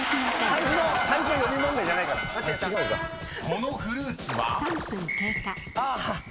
［このフルーツは？］